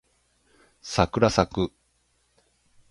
さくらさく